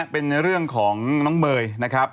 เป็นเรื่องของน้องเมย์นะครับ